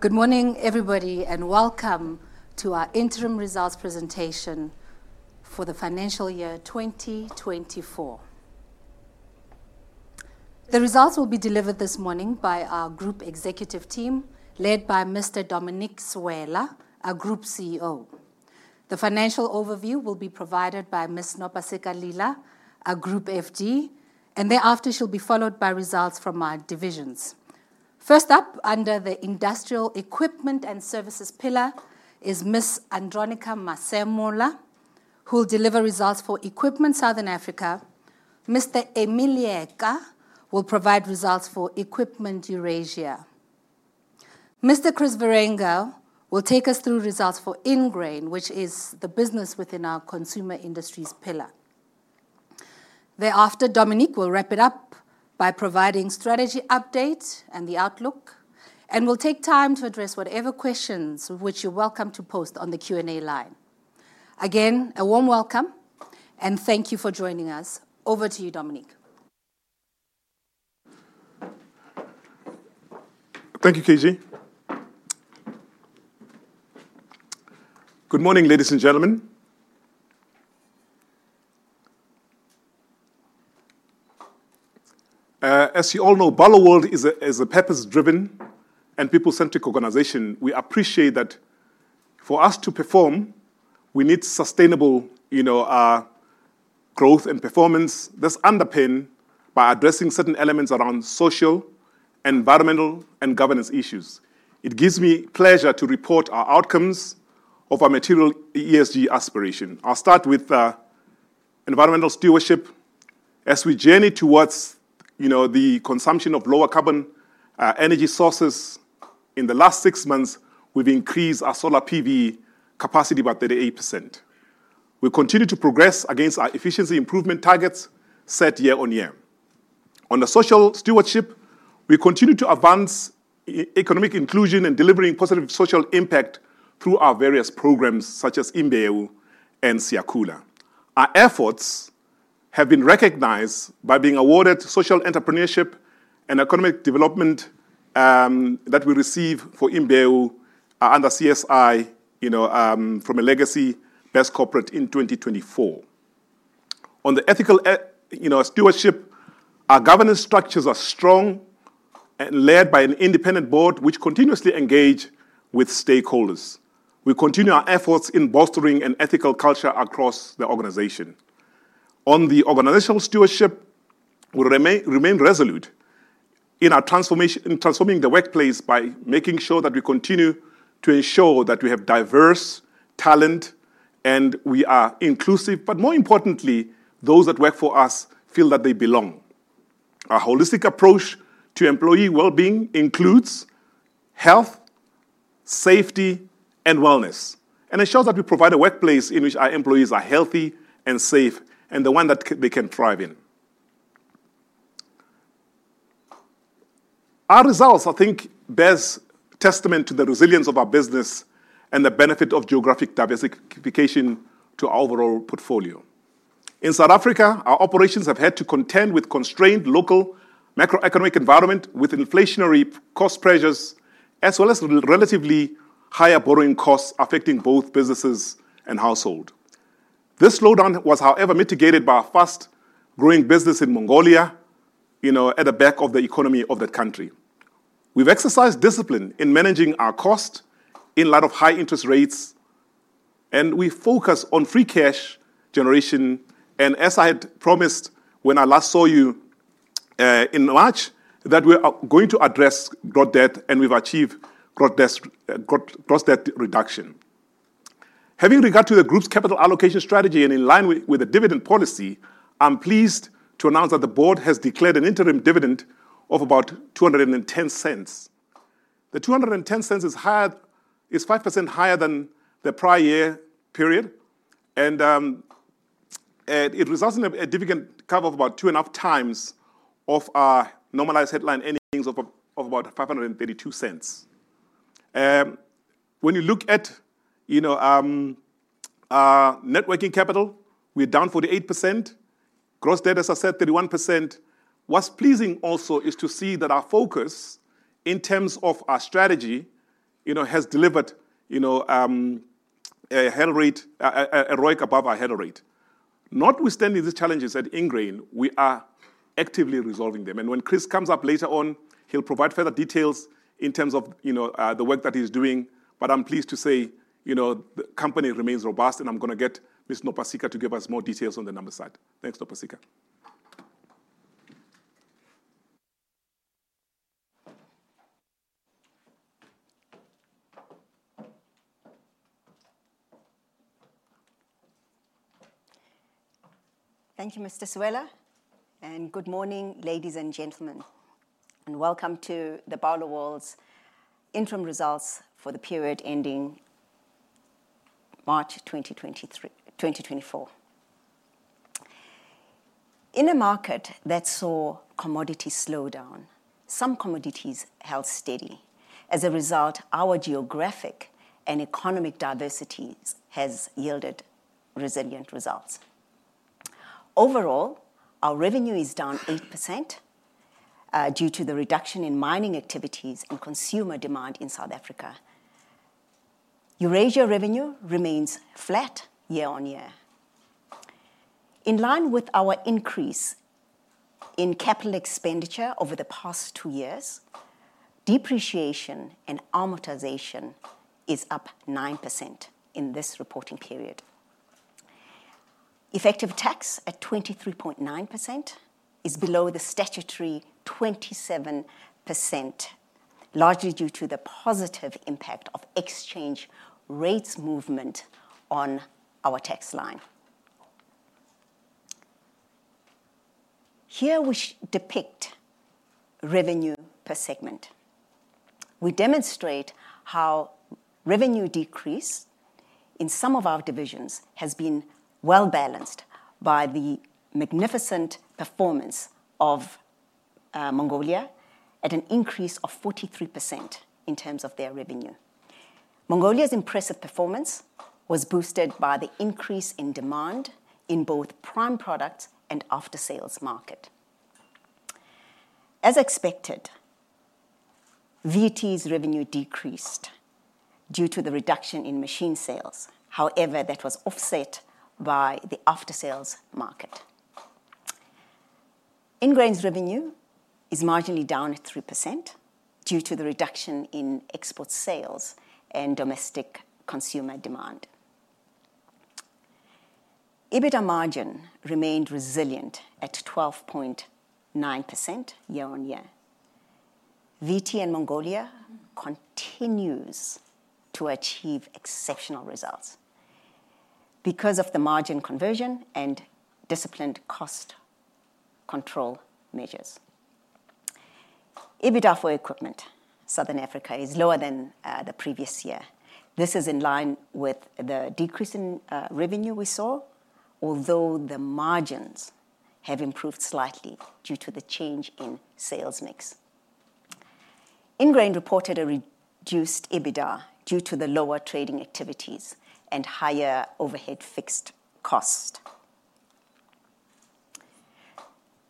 Good morning, everybody, and welcome to our Interim Results presentation for the Financial Year 2024. The results will be delivered this morning by our group executive team, led by Mr. Dominic Sewela, our Group CEO. The financial overview will be provided by Miss Nopasika Lila, our Group FD, and thereafter she'll be followed by results from our divisions. First up, under the industrial equipment and services pillar, is Miss Andronicca Masemola, who will deliver results for Equipment Southern Africa. Mr. Emmy Leeka will provide results for Equipment Eurasia. Mr. Chris Wierenga will take us through results for Ingrain, which is the business within our consumer industries pillar. Thereafter, Dominic will wrap it up by providing strategy update and the outlook, and we'll take time to address whatever questions, which you're welcome to post on the Q&A line. Again, a warm welcome, and thank you for joining us. Over to you, Dominic. Thank you, KG. Good morning, ladies and gentlemen. As you all know, Barloworld is a, is a purpose-driven and people-centric organization. We appreciate that for us to perform, we need sustainable, you know, growth and performance that's underpinned by addressing certain elements around social, environmental, and governance issues. It gives me pleasure to report our outcomes of our material ESG aspiration. I'll start with environmental stewardship. As we journey towards, you know, the consumption of lower carbon energy sources, in the last six months, we've increased our solar PV capacity by 38%. We continue to progress against our efficiency improvement targets set year on year. On the social stewardship, we continue to advance economic inclusion and delivering positive social impact through our various programs, such as Imbewu and Siyakhula. Our efforts have been recognized by being awarded Social Entrepreneurship and Economic Development, that we receive for Imbewu, under CSI, you know, from a legacy Best Corporate in 2024. On the ethical, you know, stewardship, our governance structures are strong and led by an independent board, which continuously engage with stakeholders. We continue our efforts in bolstering an ethical culture across the organization. On the organizational stewardship, we remain resolute in our transformation, in transforming the workplace by making sure that we continue to ensure that we have diverse talent, and we are inclusive, but more importantly, those that work for us feel that they belong. Our holistic approach to employee wellbeing includes health, safety, and wellness, and it shows that we provide a workplace in which our employees are healthy and safe, and the one that they can thrive in. Our results, I think, bears testament to the resilience of our business and the benefit of geographic diversification to our overall portfolio. In South Africa, our operations have had to contend with constrained local macroeconomic environment, with inflationary cost pressures, as well as relatively higher borrowing costs affecting both businesses and household. This slowdown was, however, mitigated by our fast-growing business in Mongolia, you know, at the back of the economy of that country. We've exercised discipline in managing our cost in light of high interest rates, and we focus on free cash generation. And as I had promised when I last saw you, in March, that we're going to address gross debt, and we've achieved gross debt, gross, gross debt reduction. Having regard to the group's capital allocation strategy and in line with the dividend policy, I'm pleased to announce that the board has declared an interim dividend of about 2.10. The 2.10 is higher, is 5% higher than the prior year period, and it results in a dividend cover of about 2.5 times of our normalized headline earnings of about 5.32. When you look at our net working capital, we're down 48%. Gross debt, as I said, 31%. What's pleasing also is to see that our focus, in terms of our strategy, you know, has delivered a hurdle rate, a ROIC above our hurdle rate. Notwithstanding these challenges at Ingrain, we are actively resolving them, and when Chris comes up later on, he'll provide further details in terms of, you know, the work that he's doing. But I'm pleased to say, you know, the company remains robust, and I'm gonna get Miss Nopasika to give us more details on the numbers side. Thanks, Nopasika. Thank you, Mr. Sewela, and good morning, ladies and gentlemen, and welcome to the Barloworld's interim results for the period ending March 2023, 2024. In a market that saw commodity slowdown, some commodities held steady. As a result, our geographic and economic diversities has yielded resilient results. Overall, our revenue is down 8%, due to the reduction in mining activities and consumer demand in South Africa. Eurasia revenue remains flat year-on-year. In line with our increase in capital expenditure over the past two years, depreciation and amortization is up 9% in this reporting period. Effective tax at 23.9% is below the statutory 27%, largely due to the positive impact of exchange rates movement on our tax line. Here, we depict revenue per segment. We demonstrate how revenue decrease in some of our divisions has been well-balanced by the magnificent performance of Mongolia, at an increase of 43% in terms of their revenue. Mongolia's impressive performance was boosted by the increase in demand in both prime products and after-sales market. As expected, VT's revenue decreased due to the reduction in machine sales. However, that was offset by the after-sales market. Ingrain's revenue is marginally down at 3% due to the reduction in export sales and domestic consumer demand. EBITDA margin remained resilient at 12.9% year-on-year. VT and Mongolia continues to achieve exceptional results because of the margin conversion and disciplined cost control measures. EBITDA for equipment, Southern Africa, is lower than the previous year. This is in line with the decrease in revenue we saw, although the margins have improved slightly due to the change in sales mix. Ingrain reported a reduced EBITDA due to the lower trading activities and higher overhead fixed cost.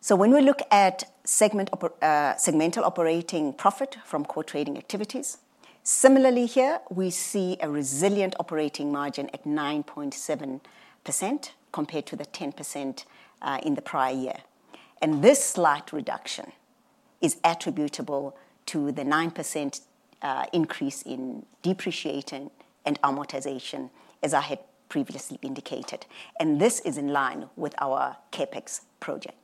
So when we look at segmental operating profit from core trading activities, similarly here, we see a resilient operating margin at 9.7%, compared to the 10% in the prior year, and this slight reduction is attributable to the 9% increase in depreciation and amortization, as I had previously indicated, and this is in line with our CapEx project.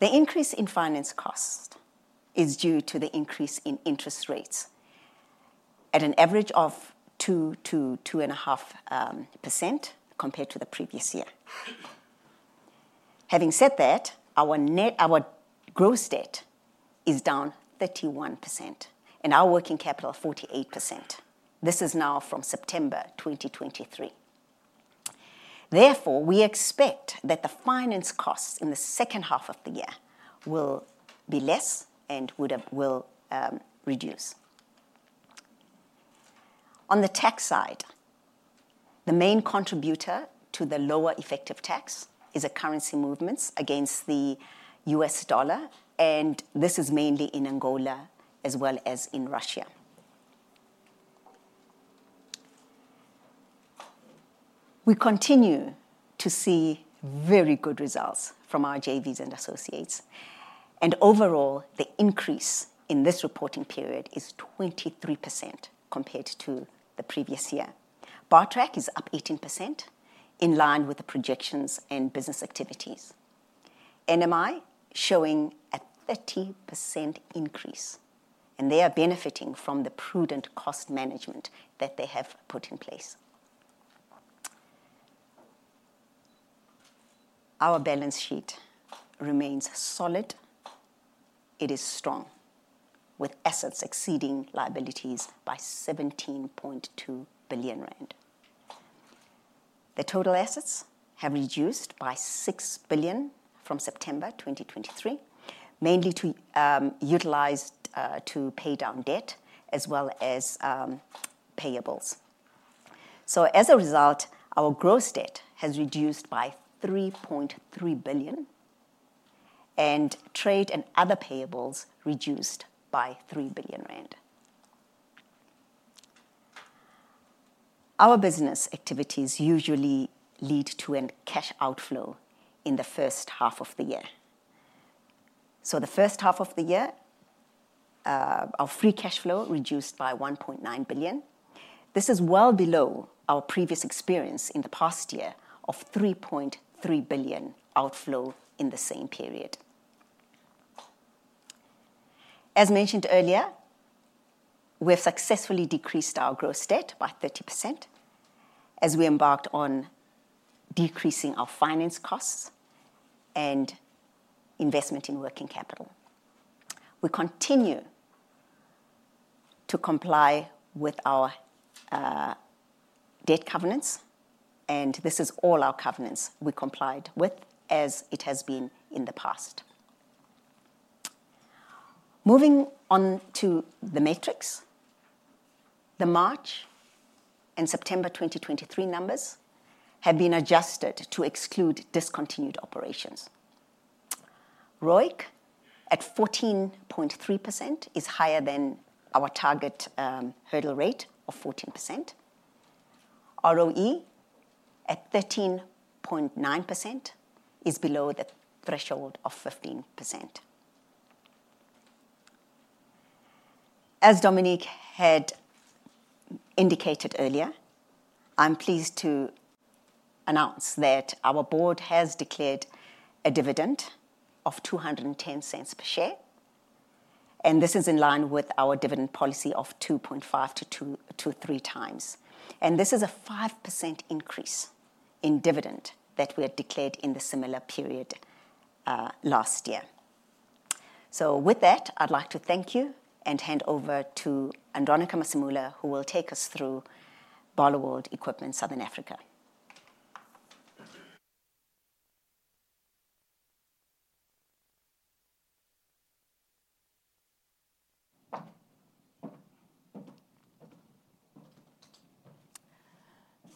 The increase in finance cost is due to the increase in interest rates at an average of 2%-2.5% compared to the previous year. Having said that, our gross debt is down 31% and our working capital, 48%. This is now from September 2023. Therefore, we expect that the finance costs in the second half of the year will be less and will reduce. On the tax side, the main contributor to the lower effective tax is the currency movements against the US dollar, and this is mainly in Angola as well as in Russia. We continue to see very good results from our JVs and associates, and overall, the increase in this reporting period is 23% compared to the previous year. Bartrac is up 18%, in line with the projections and business activities. NMI showing a 30% increase, and they are benefiting from the prudent cost management that they have put in place. Our balance sheet remains solid. It is strong, with assets exceeding liabilities by 17.2 billion rand. The total assets have reduced by 6 billion from September 2023, mainly to pay down debt as well as payables. So as a result, our gross debt has reduced by 3.3 billion, and trade and other payables reduced by 3 billion rand. Our business activities usually lead to a cash outflow in the first half of the year. The first half of the year, our free cash flow reduced by 1.9 billion. This is well below our previous experience in the past year of 3.3 billion outflow in the same period. As mentioned earlier, we have successfully decreased our gross debt by 30% as we embarked on decreasing our finance costs and investment in working capital. We continue to comply with our debt covenants, and this is all our covenants we complied with, as it has been in the past. Moving on to the metrics. The March and September 2023 numbers have been adjusted to exclude discontinued operations. ROIC at 14.3% is higher than our target hurdle rate of 14%. ROE at 13.9% is below the threshold of 15%. As Dominic had indicated earlier, I'm pleased to announce that our board has declared a dividend of 2.10 per share, and this is in line with our dividend policy of 2.5-3 times, and this is a 5% increase in dividend that we had declared in the similar period last year. So with that, I'd like to thank you and hand over to Andronicca Masemola, who will take us through Barloworld Equipment Southern Africa.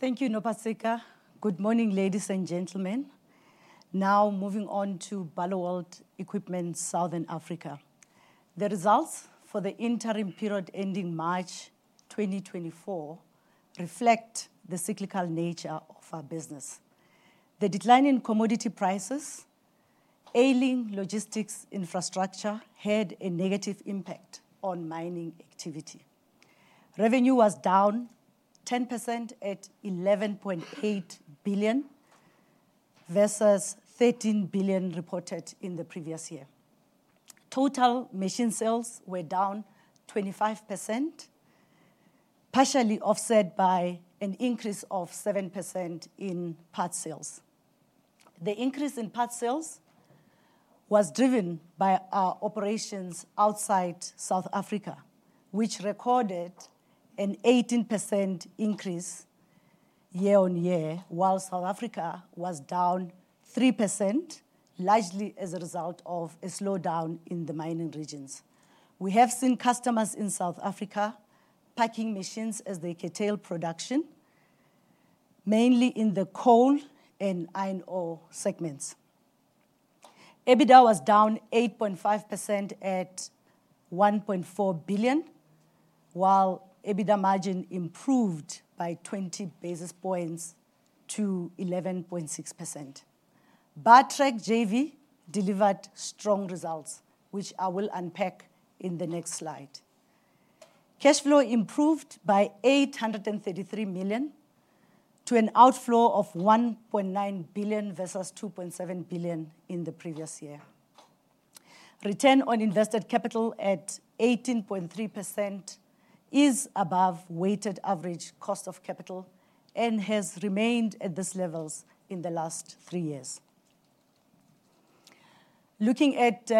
Thank you, Nopasika. Good morning, ladies and gentlemen. Now, moving on to Barloworld Equipment Southern Africa. The results for the interim period ending March 2024 reflect the cyclical nature of our business. The decline in commodity prices, ailing logistics infrastructure, had a negative impact on mining activity. Revenue was down 10% at 11.8 billion, versus 13 billion reported in the previous year. Total machine sales were down 25%, partially offset by an increase of 7% in parts sales. The increase in parts sales was driven by our operations outside South Africa, which recorded an 18% increase year-on-year, while South Africa was down 3%, largely as a result of a slowdown in the mining regions. We have seen customers in South Africa parking machines as they curtail production, mainly in the coal and iron ore segments. EBITDA was down 8.5% at 1.4 billion, while EBITDA margin improved by 20 basis points to 11.6%. Bartrac JV delivered strong results, which I will unpack in the next slide. Cash flow improved by 833 million, to an outflow of 1.9 billion, versus 2.7 billion in the previous year. Return on invested capital at 18.3% is above weighted average cost of capital and has remained at these levels in the last three years. Looking at,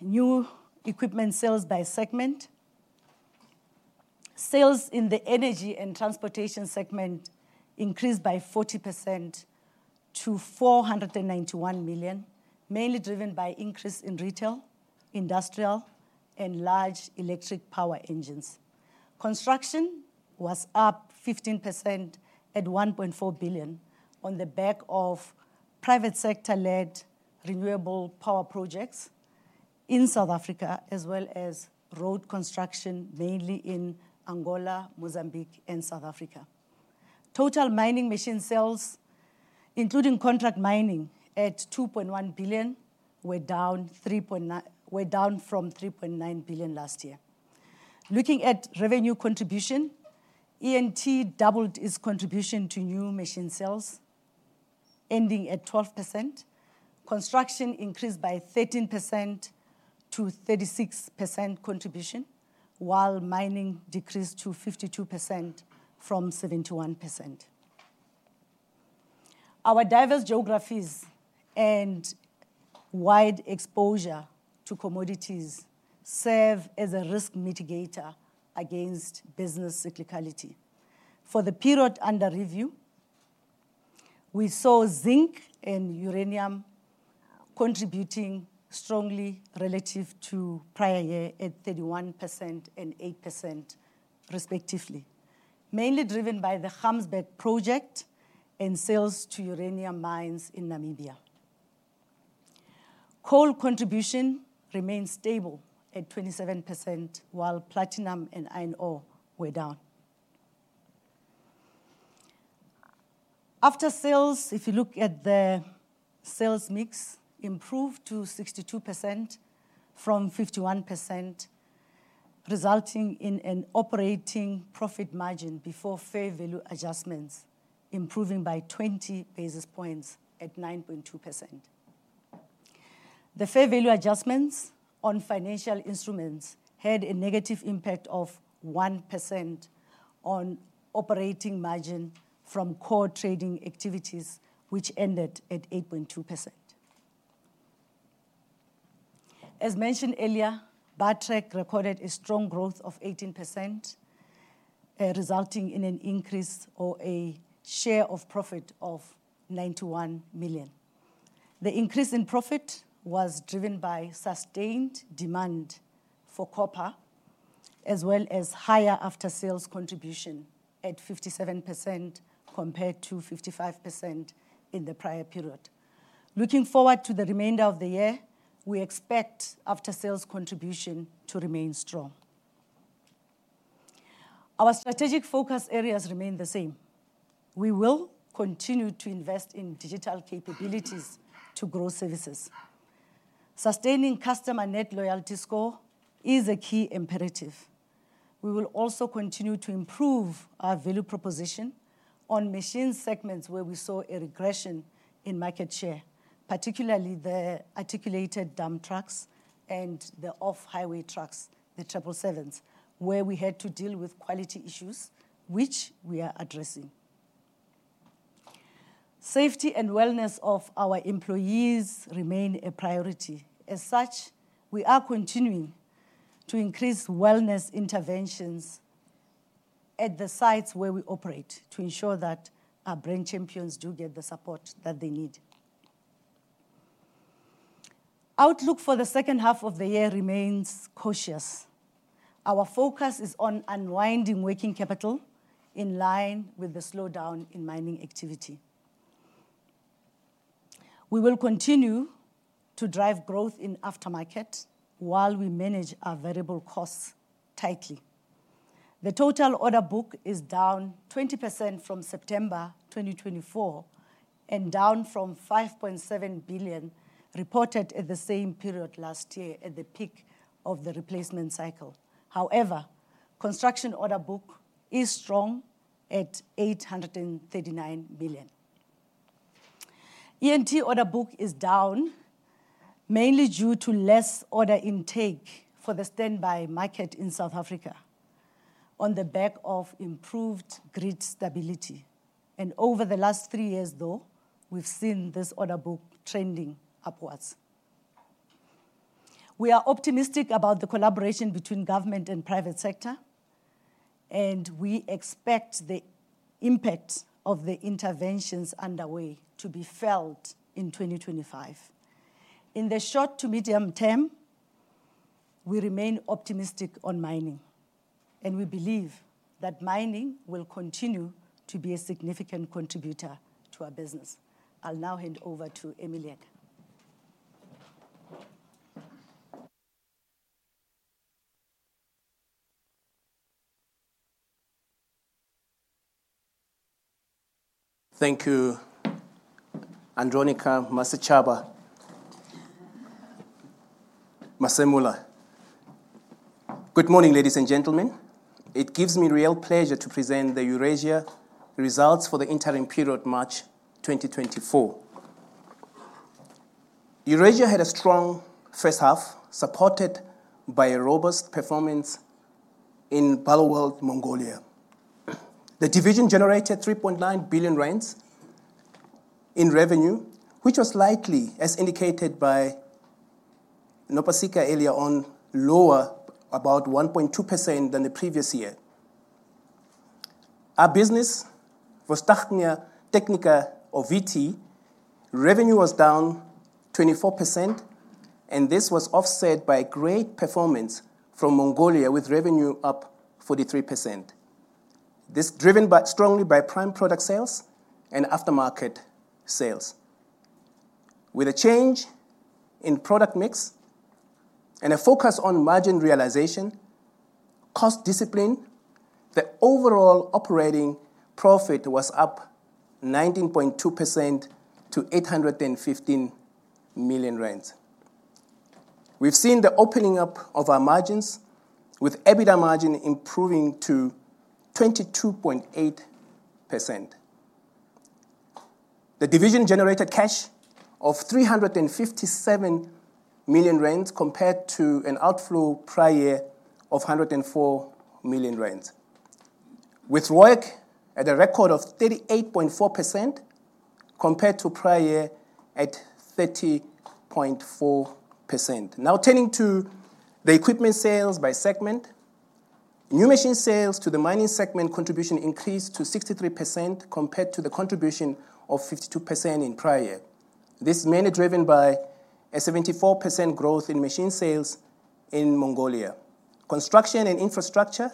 new equipment sales by segment, sales in the energy and transportation segment increased by 40% to 491 million, mainly driven by increase in retail, industrial, and large electric power engines. Construction was up 15% at 1.4 billion on the back of private sector-led renewable power projects in South Africa, as well as road construction, mainly in Angola, Mozambique, and South Africa. Total mining machine sales, including contract mining at 2.1 billion, were down from 3.9 billion last year. Looking at revenue contribution, E&T doubled its contribution to new machine sales, ending at 12%. Construction increased by 13% to 36% contribution, while mining decreased to 52% from 71%. Our diverse geographies and wide exposure to commodities serve as a risk mitigator against business cyclicality. For the period under review, we saw zinc and uranium contributing strongly relative to prior year at 31% and 8% respectively, mainly driven by the Gamsberg Project and sales to uranium mines in Namibia. Coal contribution remained stable at 27%, while platinum and iron ore were down. After sales, if you look at the sales mix, improved to 62% from 51%, resulting in an operating profit margin before fair value adjustments, improving by 20 basis points at 9.2%. The fair value adjustments on financial instruments had a negative impact of 1% on operating margin from core trading activities, which ended at 8.2%. As mentioned earlier, Bartrac recorded a strong growth of 18%, resulting in an increase or a share of profit of 91 million. The increase in profit was driven by sustained demand for copper, as well as higher after-sales contribution at 57%, compared to 55% in the prior period. Looking forward to the remainder of the year, we expect after-sales contribution to remain strong. Our strategic focus areas remain the same. We will continue to invest in digital capabilities to grow services. Sustaining customer net loyalty score is a key imperative. We will also continue to improve our value proposition on machine segments, where we saw a regression in market share, particularly the articulated dump trucks and the off-highway trucks, the triple sevens, where we had to deal with quality issues, which we are addressing. Safety and wellness of our employees remain a priority. As such, we are continuing to increase wellness interventions at the sites where we operate, to ensure that our brand champions do get the support that they need. Outlook for the second half of the year remains cautious. Our focus is on unwinding working capital, in line with the slowdown in mining activity. We will continue to drive growth in aftermarket, while we manage our variable costs tightly. The total order book is down 20% from September 2024, and down from 5.7 billion reported at the same period last year at the peak of the replacement cycle. However, construction order book is strong at 839 million. E&T order book is down, mainly due to less order intake for the standby market in South Africa on the back of improved grid stability. And over the last three years, though, we've seen this order book trending upwards. We are optimistic about the collaboration between government and private sector, and we expect the impact of the interventions underway to be felt in 2025. In the short to medium term, we remain optimistic on mining, and we believe that mining will continue to be a significant contributor to our business. I'll now hand over to Emmy. Thank you, Andronicca Masemola. Good morning, ladies and gentlemen. It gives me real pleasure to present the Eurasia results for the interim period, March 2024. Eurasia had a strong first half, supported by a robust performance in Barloworld Mongolia. The division generated 3.9 billion rand in revenue, which was likely, as indicated by Nopasika earlier on, lower about 1.2% than the previous year. Our business, Vostochnaya Technica, or VT, revenue was down 24%, and this was offset by great performance from Mongolia, with revenue up 43%. This driven strongly by prime product sales and aftermarket sales. With a change in product mix and a focus on margin realization, cost discipline, the overall operating profit was up 19.2% to 815 million rand. We've seen the opening up of our margins, with EBITDA margin improving to 22.8%. The division generated cash of 357 million rand, compared to an outflow prior year of 104 million rand, with ROIC at a record of 38.4%, compared to prior year at 30.4%. Now, turning to the equipment sales by segment. New machine sales to the mining segment contribution increased to 63%, compared to the contribution of 52% in prior year. This mainly driven by a 74% growth in machine sales in Mongolia. Construction and infrastructure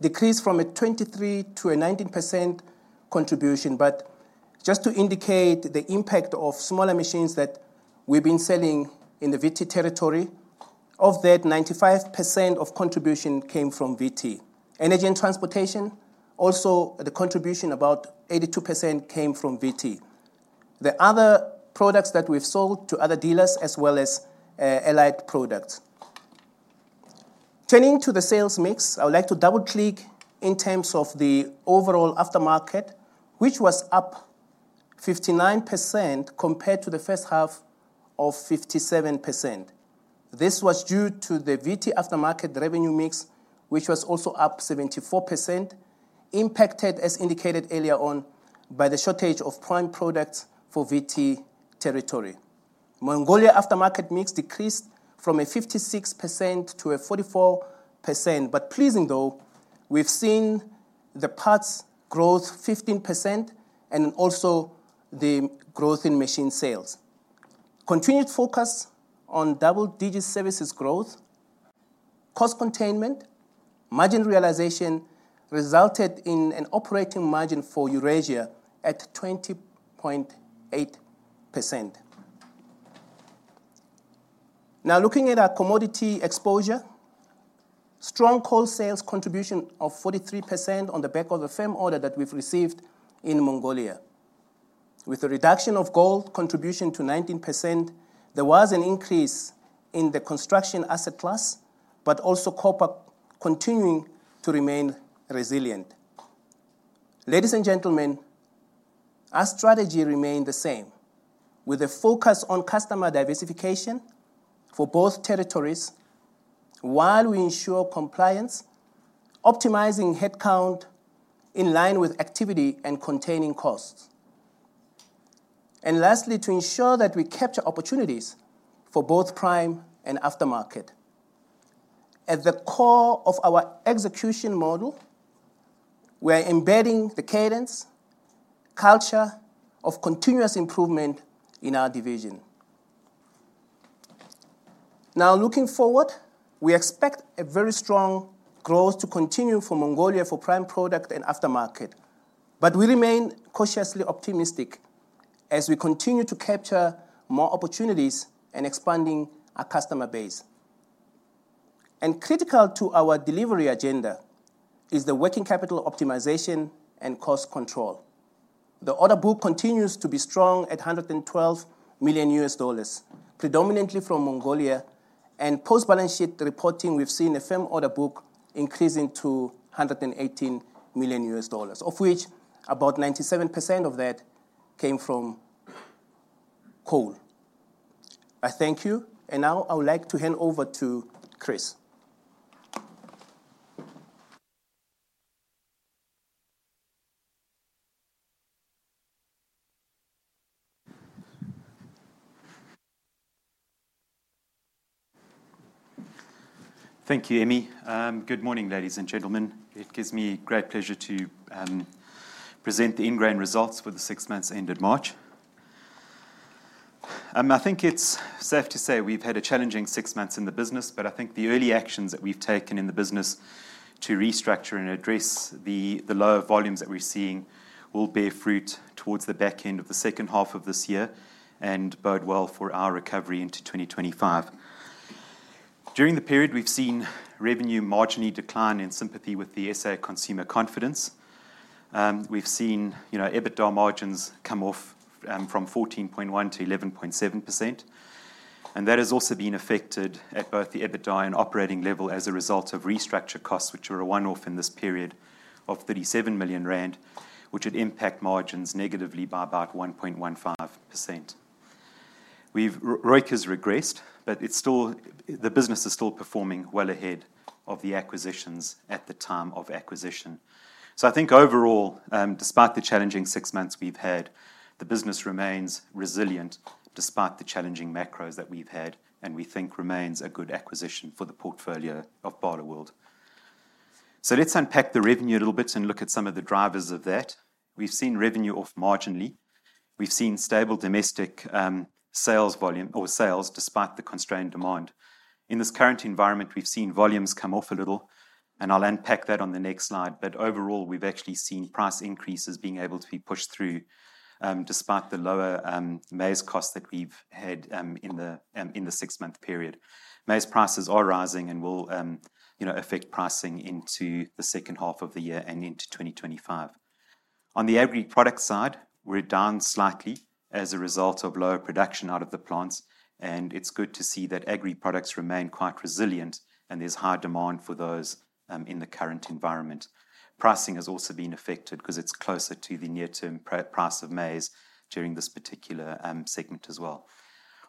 decreased from a 23%-19% contribution, but just to indicate the impact of smaller machines that we've been selling in the VT territory, of that, 95% of contribution came from VT. Energy and transportation also, the contribution, about 82% came from VT. The other products that we've sold to other dealers, as well as, allied products. Turning to the sales mix, I would like to double-click in terms of the overall aftermarket, which was up 59%, compared to the first half of 57%. This was due to the VT aftermarket revenue mix, which was also up 74%, impacted, as indicated earlier on, by the shortage of prime products for VT territory. Mongolia aftermarket mix decreased from a 56% to a 44%, but pleasing, though. We've seen the parts growth 15% and also the growth in machine sales. Continued focus on double-digit services growth, cost containment, margin realization resulted in an operating margin for Eurasia at 20.8%. Now, looking at our commodity exposure, strong coal sales contribution of 43% on the back of the firm order that we've received in Mongolia. With the reduction of gold contribution to 19%, there was an increase in the construction asset class, but also copper continuing to remain resilient. Ladies and gentlemen, our strategy remained the same, with a focus on customer diversification for both territories, while we ensure compliance, optimizing headcount in line with activity, and containing costs. And lastly, to ensure that we capture opportunities for both prime and aftermarket. At the core of our execution model, we are embedding the cadence, culture of continuous improvement in our division. Now, looking forward, we expect a very strong growth to continue for Mongolia for prime product and aftermarket, but we remain cautiously optimistic as we continue to capture more opportunities and expanding our customer base. Critical to our delivery agenda is the working capital optimization and cost control. The order book continues to be strong at $112 million, predominantly from Mongolia, and post-balance sheet reporting, we've seen a firm order book increasing to $118 million, of which about 97% of that came from coal. I thank you, and now I would like to hand over to Chris. Thank you, Emmy. Good morning, ladies and gentlemen. It gives me great pleasure to present the Ingrain results for the six months ended March. I think it's safe to say we've had a challenging six months in the business, but I think the early actions that we've taken in the business to restructure and address the lower volumes that we're seeing will bear fruit towards the back end of the second half of this year and bode well for our recovery into 2025. During the period, we've seen revenue marginally decline in sympathy with the SA consumer confidence. We've seen, you know, EBITDA margins come off from 14.1%-11.7%, and that has also been affected at both the EBITDA and operating level as a result of restructure costs, which are a one-off in this period of 37 million rand, which would impact margins negatively by about 1.15%. ROIC has regressed, but it's still the business is still performing well ahead of the acquisitions at the time of acquisition. So I think overall, despite the challenging six months we've had, the business remains resilient, despite the challenging macros that we've had, and we think remains a good acquisition for the portfolio of Barloworld. So let's unpack the revenue a little bit and look at some of the drivers of that. We've seen revenue off marginally. We've seen stable domestic sales volume or sales, despite the constrained demand. In this current environment, we've seen volumes come off a little, and I'll unpack that on the next slide, but overall, we've actually seen price increases being able to be pushed through, despite the lower maize costs that we've had in the six-month period. Maize prices are rising and will, you know, affect pricing into the second half of the year and into 2025. On the agri product side, we're down slightly as a result of lower production out of the plants, and it's good to see that agri products remain quite resilient, and there's high demand for those in the current environment. Pricing has also been affected 'cause it's closer to the near-term price of maize during this particular segment as well.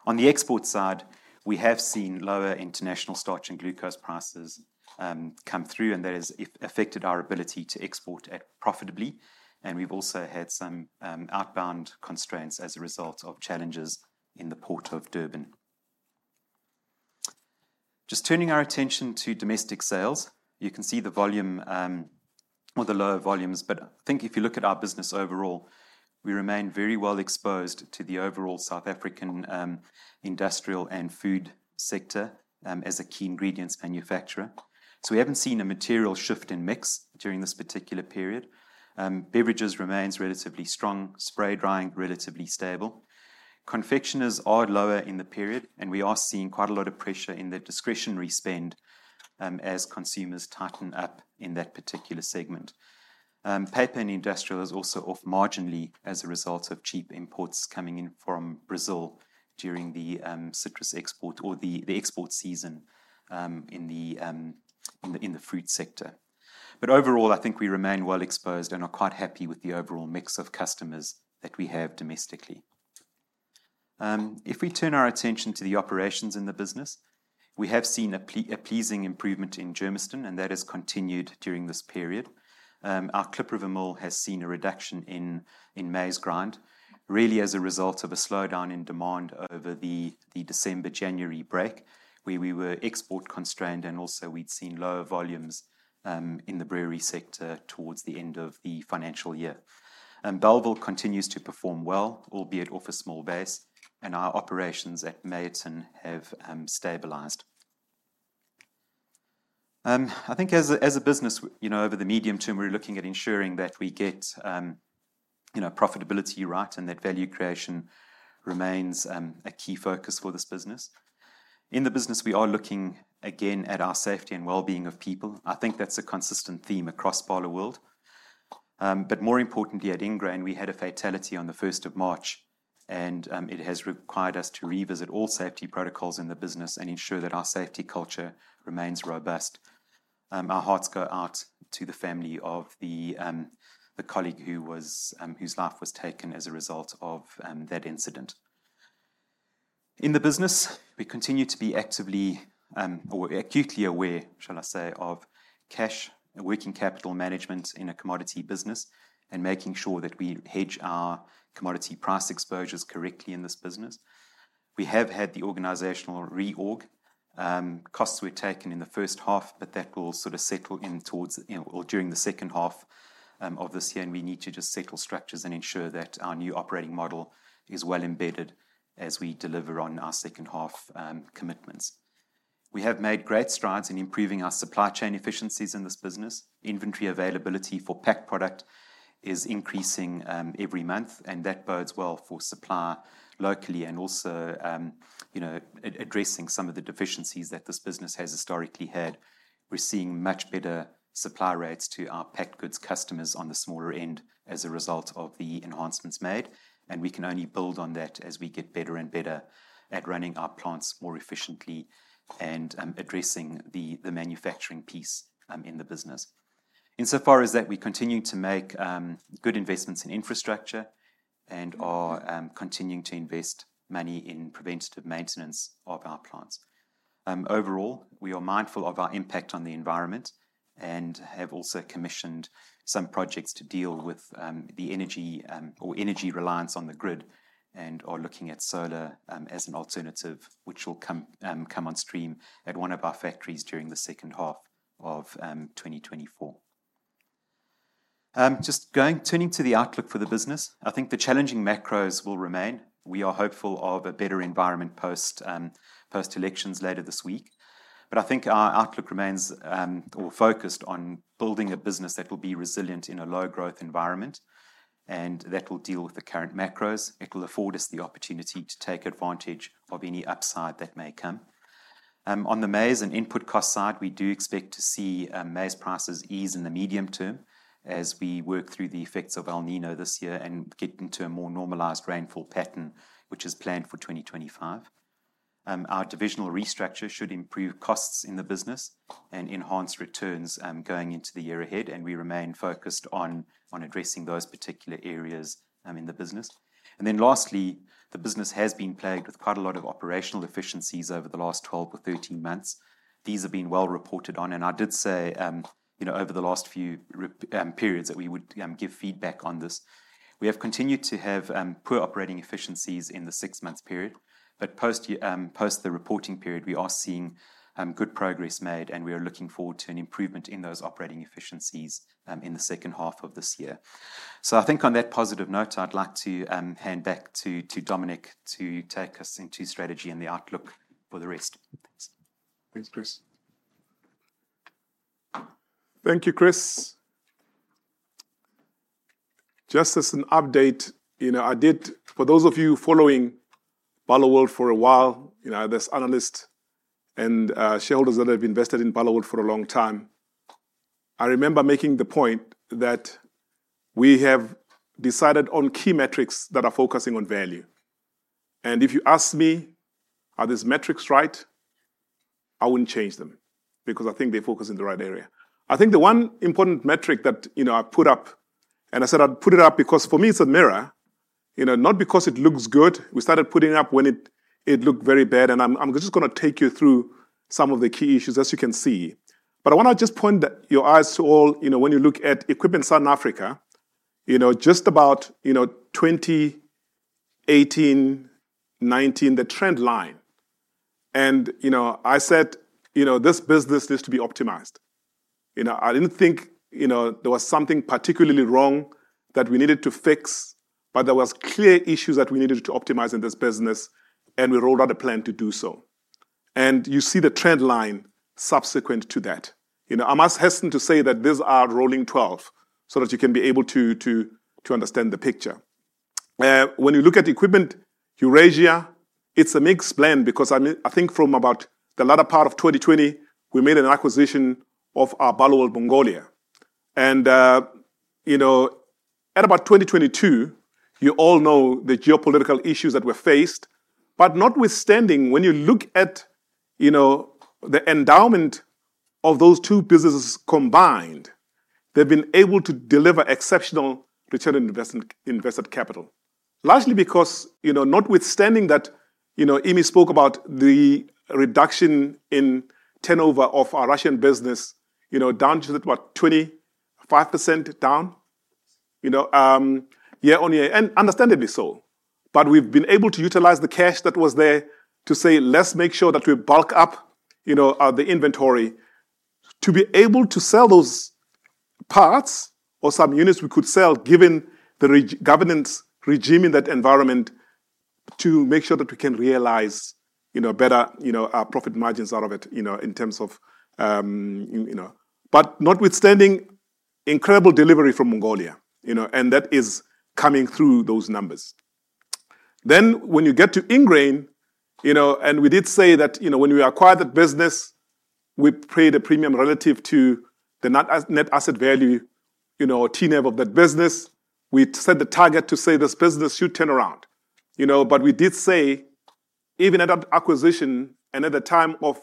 On the export side, we have seen lower international starch and glucose prices come through, and that has affected our ability to export profitably, and we've also had some outbound constraints as a result of challenges in the Port of Durban. Just turning our attention to domestic sales, you can see the volume or the lower volumes, but I think if you look at our business overall, we remain very well exposed to the overall South African industrial and food sector as a key ingredients manufacturer. So we haven't seen a material shift in mix during this particular period. Beverages remains relatively strong, spray drying relatively stable. Confectioneries are lower in the period, and we are seeing quite a lot of pressure in the discretionary spend as consumers tighten up in that particular segment. Paper and industrial is also off marginally as a result of cheap imports coming in from Brazil during the citrus export or the export season in the fruit sector. But overall, I think we remain well exposed and are quite happy with the overall mix of customers that we have domestically. If we turn our attention to the operations in the business, we have seen a pleasing improvement in Germiston, and that has continued during this period. Our Kliprivier mill has seen a reduction in maize grind, really as a result of a slowdown in demand over the December-January break, where we were export-constrained and also we'd seen lower volumes in the brewery sector towards the end of the financial year. Bellville continues to perform well, albeit off a small base, and our operations at Meyerton have stabilized. I think as a business, you know, over the medium term, we're looking at ensuring that we get profitability right, and that value creation remains a key focus for this business. In the business, we are looking again at our safety and well-being of people. I think that's a consistent theme across Barloworld. But more importantly, at Ingrain, we had a fatality on the first of March, and it has required us to revisit all safety protocols in the business and ensure that our safety culture remains robust. Our hearts go out to the family of the colleague whose life was taken as a result of that incident. In the business, we continue to be actively, or acutely aware, shall I say, of cash, working capital management in a commodity business, and making sure that we hedge our commodity price exposures correctly in this business. We have had the organizational reorg. Costs were taken in the first half, but that will sorta settle in towards, you know, or during the second half, of this year, and we need to just settle structures and ensure that our new operating model is well embedded as we deliver on our second-half, commitments. We have made great strides in improving our supply chain efficiencies in this business. Inventory availability for packed product is increasing, every month, and that bodes well for supply locally and also, you know, addressing some of the deficiencies that this business has historically had. We're seeing much better supply rates to our packed goods customers on the smaller end as a result of the enhancements made, and we can only build on that as we get better and better at running our plants more efficiently and addressing the manufacturing piece in the business. Insofar as that, we continue to make good investments in infrastructure and are continuing to invest money in preventative maintenance of our plants. Overall, we are mindful of our impact on the environment and have also commissioned some projects to deal with the energy or energy reliance on the grid and are looking at solar as an alternative, which will come on stream at one of our factories during the second half of 2024. Turning to the outlook for the business, I think the challenging macros will remain. We are hopeful of a better environment post, post-elections later this week. But I think our outlook remains, or focused on building a business that will be resilient in a low-growth environment, and that will deal with the current macros. It will afford us the opportunity to take advantage of any upside that may come. On the maize and input cost side, we do expect to see, maize prices ease in the medium term as we work through the effects of El Niño this year and get into a more normalized rainfall pattern, which is planned for 2025. Our divisional restructure should improve costs in the business and enhance returns, going into the year ahead, and we remain focused on, on addressing those particular areas, in the business. Then lastly, the business has been plagued with quite a lot of operational efficiencies over the last 12 or 13 months. These have been well reported on, and I did say, you know, over the last few periods, that we would, give feedback on this. We have continued to have, poor operating efficiencies in the six-months period, but post, post the reporting period, we are seeing, good progress made, and we are looking forward to an improvement in those operating efficiencies, in the second half of this year. I think on that positive note, I'd like to hand back to Dominic to take us into strategy and the outlook for the rest. Thanks. Thanks, Chris. Thank you, Chris. Just as an update, you know. For those of you following Barloworld for a while, you know, there's analysts and, shareholders that have invested in Barloworld for a long time. I remember making the point that we have decided on key metrics that are focusing on value, and if you ask me, "Are these metrics right?" I wouldn't change them because I think they focus in the right area. I think the one important metric that, you know, I put up, and I said I'd put it up because, for me, it's a mirror. You know, not because it looks good. We started putting it up when it looked very bad, and I'm just gonna take you through some of the key issues, as you can see. But I wanna just point your eyes to all, you know, when you look at Equipment Southern Africa, you know, just about, you know, 2018, 2019, the trend line. And, you know, I said, "You know, this business needs to be optimized." You know, I didn't think, you know, there was something particularly wrong that we needed to fix, but there was clear issues that we needed to optimize in this business, and we rolled out a plan to do so. And you see the trend line subsequent to that. You know, I must hasten to say that these are rolling twelve, so that you can be able to understand the picture. When you look at equipment Eurasia, it's a mixed blend because I think from about the latter part of 2020, we made an acquisition of Barloworld Mongolia. You know, at about 2022, you all know the geopolitical issues that were faced. But notwithstanding, when you look at, you know, the endowment of those two businesses combined, they've been able to deliver exceptional return on investment, invested capital. Lastly, because, you know, notwithstanding that, you know, Emmy spoke about the reduction in turnover of our Russian business, you know, down to about 25% down, year-over-year, and understandably so. But we've been able to utilize the cash that was there to say, "Let's make sure that we bulk up, you know, the inventory to be able to sell those parts or some units we could sell, given the regulatory governance regime in that environment, to make sure that we can realize, you know, better, you know, our profit margins out of it, you know, in terms of, you know." But notwithstanding, incredible delivery from Mongolia, you know, and that is coming through those numbers. Then when you get to Ingrain, you know, and we did say that, you know, when we acquired that business, we paid a premium relative to the net asset value, you know, or TNAV of that business. We set the target to say, this business should turn around, you know? But we did say, even at acquisition and at the time of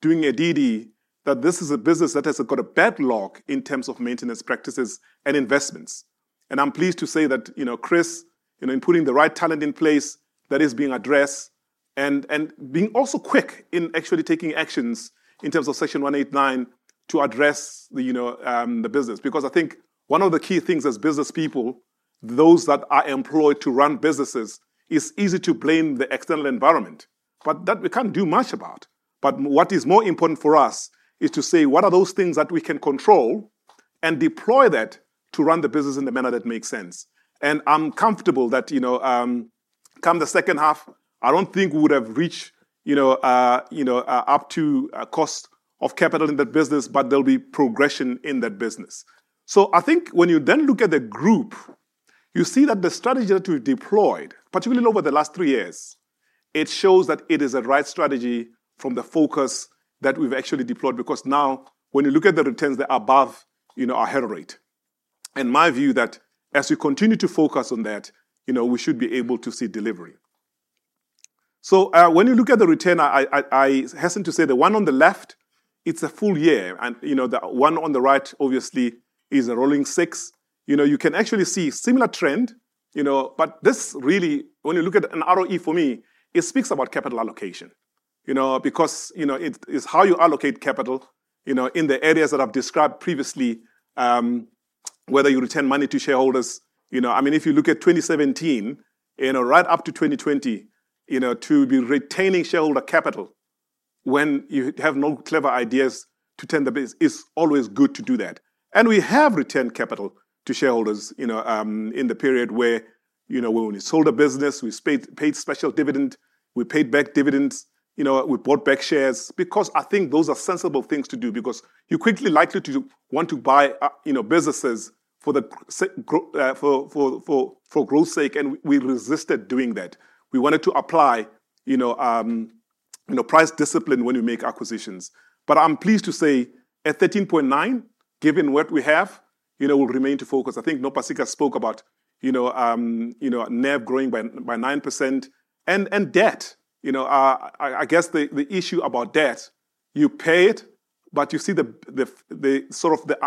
doing a DD, that this is a business that has got a bad luck in terms of maintenance practices and investments. And I'm pleased to say that, you know, Chris, you know, in putting the right talent in place, that is being addressed, and being also quick in actually taking actions in terms of Section 189 to address the, you know, the business. Because I think one of the key things as businesspeople, those that are employed to run businesses, it's easy to blame the external environment, but that we can't do much about. But what is more important for us is to say, what are those things that we can control, and deploy that to run the business in a manner that makes sense? I'm comfortable that, you know, come the second half, I don't think we would have reached, you know, up to a cost of capital in that business, but there'll be progression in that business. So I think when you then look at the group, you see that the strategy that we deployed, particularly over the last three years, it shows that it is the right strategy from the focus that we've actually deployed, because now when you look at the returns, they're above, you know, our hurdle rate. In my view, that as we continue to focus on that, you know, we should be able to see delivery. So, when you look at the return, I hasten to say the one on the left, it's a full year, and, you know, the one on the right obviously is a rolling six. You know, you can actually see similar trend, you know, but this really, when you look at an ROE for me, it speaks about capital allocation, you know, because, you know, it, it's how you allocate capital, you know, in the areas that I've described previously, whether you return money to shareholders. You know, I mean, if you look at 2017 and right up to 2020, you know, to be retaining shareholder capital when you have no clever ideas to turn the business, it's always good to do that. And we have returned capital to shareholders, you know, in the period where, you know, when we sold a business, we paid, paid special dividend, we paid back dividends, you know, we bought back shares, because I think those are sensible things to do. Because you're quickly likely to want to buy, you know, businesses for growth's sake, and we resisted doing that. We wanted to apply, you know, price discipline when we make acquisitions. But I'm pleased to say, at 13.9, given what we have, you know, we'll remain to focus. I think Nopasika spoke about, you know, NAV growing by 9%. And debt, you know, I guess the issue about debt, you pay it, but you see the sort of the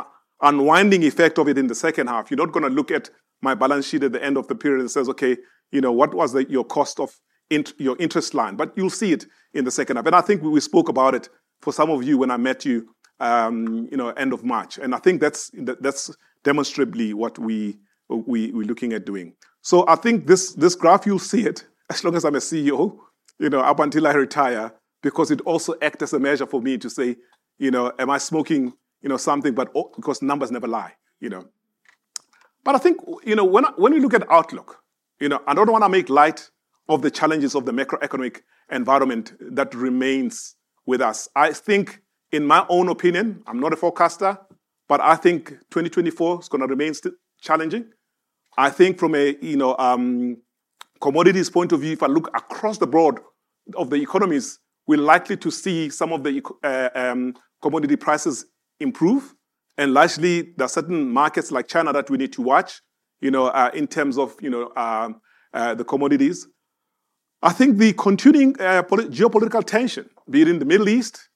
unwinding effect of it in the second half. You're not gonna look at my balance sheet at the end of the period and says, "Okay, you know, what was the, your cost of int. your interest line?" But you'll see it in the second half. And I think we spoke about it for some of you when I met you, you know, end of March, and I think that's, that, that's demonstrably what we, we, we're looking at doing. So I think this, this graph, you'll see it as long as I'm a CEO, you know, up until I retire, because it also act as a measure for me to say, you know, am I smoking, you know, something? But, because numbers never lie, you know. But I think, you know, when we look at outlook, you know, I don't want to make light of the challenges of the macroeconomic environment that remains with us. I think, in my own opinion, I'm not a forecaster, but I think 2024 is gonna remain challenging. I think from a, you know, commodities point of view, if I look across the board of the economies, we're likely to see some of the commodity prices improve, and largely, there are certain markets like China that we need to watch, you know, in terms of, you know, the commodities. I think the continuing geopolitical tension, be it in the Middle East,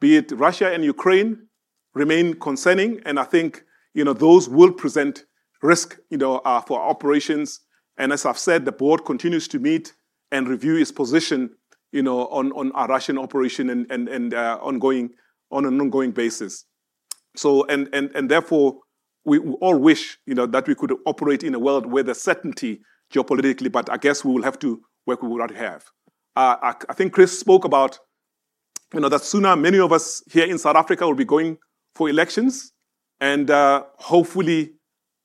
be it Russia and Ukraine, remain concerning, and I think, you know, those will present risk, you know, for operations. As I've said, the board continues to meet and review its position, you know, on our Russian operation and ongoing, on an ongoing basis. We all wish, you know, that we could operate in a world where there's certainty geopolitically, but I guess we will have to work with what we have. I think Chris spoke about, you know, that sooner, many of us here in South Africa will be going for elections, and hopefully,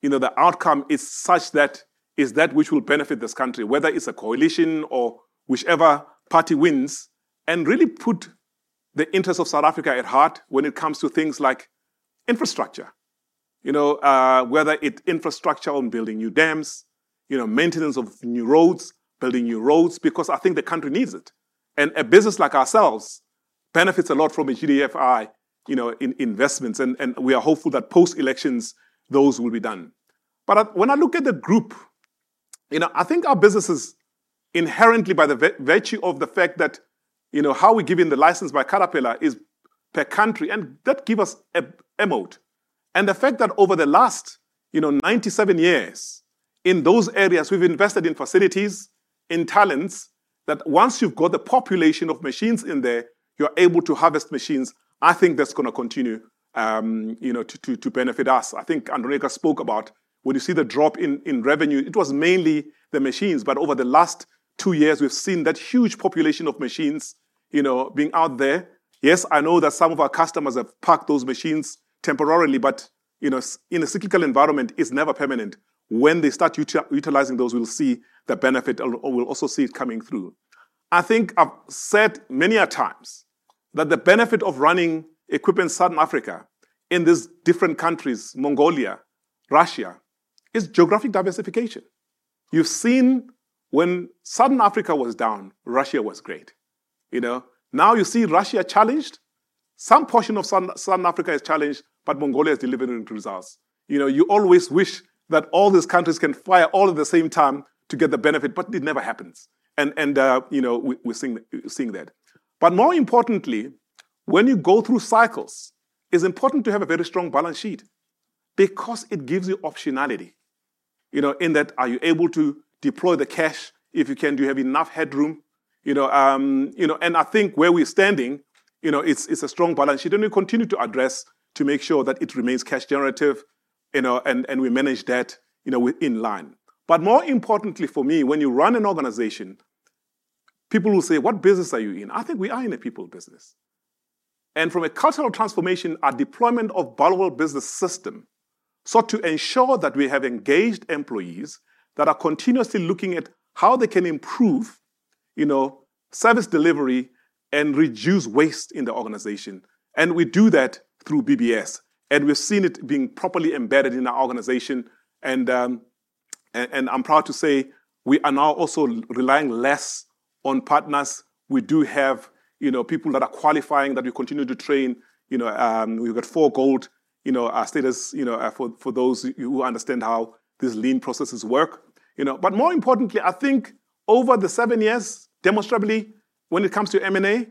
you know, the outcome is such that, is that which will benefit this country, whether it's a coalition or whichever party wins, and really put the interests of South Africa at heart when it comes to things like infrastructure. You know, whether it's infrastructure on building new dams, you know, maintenance of new roads, building new roads, because I think the country needs it. And a business like ourselves benefits a lot from the GDFI, you know, in investments, and we are hopeful that post-elections, those will be done. But when I look at the group, you know, I think our business is inherently, by the virtue of the fact that, you know, how we're given the license by Caterpillar is per country, and that give us a moat. And the fact that over the last, you know, 97 years in those areas, we've invested in facilities, in talents, that once you've got the population of machines in there, you're able to harvest machines. I think that's gonna continue, you know, to benefit us. I think Andronicca spoke about when you see the drop in, in revenue, it was mainly the machines, but over the last two years, we've seen that huge population of machines, you know, being out there. Yes, I know that some of our customers have parked those machines temporarily, but, you know, in a cyclical environment, it's never permanent. When they start utilizing those, we'll see the benefit or we'll also see it coming through. I think I've said many a times that the benefit of running Equipment Southern Africa, in these different countries, Mongolia, Russia, is geographic diversification. You've seen when Southern Africa was down, Russia was great, you know? Now, you see Russia challenged, some portion of Southern Africa is challenged, but Mongolia is delivering results. You know, you always wish that all these countries can fire all at the same time to get the benefit, but it never happens. And, you know, we're seeing that. But more importantly, when you go through cycles, it's important to have a very strong balance sheet because it gives you optionality. You know, in that, are you able to deploy the cash? If you can, do you have enough headroom? You know, you know, and I think where we're standing, you know, it's a strong balance sheet, and we continue to address to make sure that it remains cash generative, you know, and we manage that, you know, within line. But more importantly for me, when you run an organization, people will say: "What business are you in?" I think we are in the people business. And from a cultural transformation, our deployment of Barloworld Business System sought to ensure that we have engaged employees that are continuously looking at how they can improve, you know, service delivery and reduce waste in the organization. And we do that through BBS, and we've seen it being properly embedded in our organization, and, and I'm proud to say we are now also relying less on partners. We do have, you know, people that are qualifying, that we continue to train. You know, we've got 4 gold, you know, status, you know, for, for those who understand how these lean processes work, you know? But more importantly, I think over the 7 years, demonstrably, when it comes to M&A,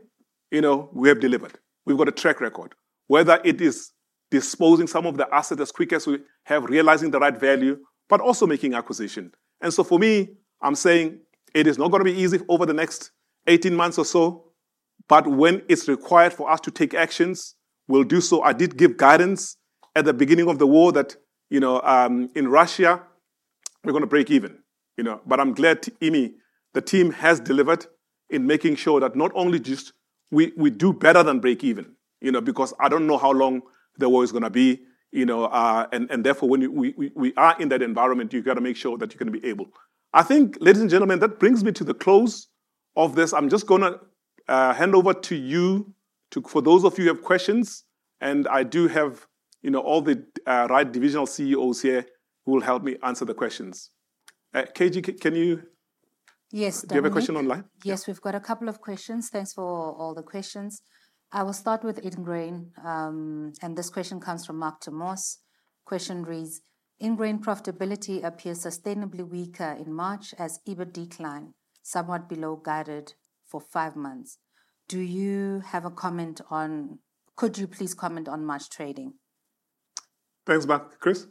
you know, we have delivered. We've got a track record, whether it is disposing some of the asset as quick as we have, realizing the right value, but also making acquisition. And so for me, I'm saying it is not gonna be easy over the next 18 months or so, but when it's required for us to take actions, we'll do so. I did give guidance at the beginning of the war that, you know, in Russia, we're gonna break even, you know? But I'm glad, Emmy, the team has delivered in making sure that not only just. We do better than break even, you know, because I don't know how long the war is gonna be, you know, and therefore, when we are in that environment, you've got to make sure that you're gonna be able. I think, ladies and gentlemen, that brings me to the close of this. I'm just gonna hand over to you for those of you who have questions, and I do have, you know, all the right divisional CEOs here who will help me answer the questions. KG, can you Yes, Dominic. Do you have a question online? Yes, we've got a couple of questions. Thanks for all the questions. I will start with Ingrain. This question comes from Mark Thomas. Question reads: Ingrain profitability appears sustainably weaker in March as EBIT decline, somewhat below guided for five months. Could you please comment on March trading? Thanks, Mark. Chris?